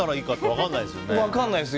分からないです。